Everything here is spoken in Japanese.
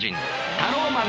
タローマン！